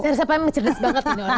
saya rasa pem cerdas banget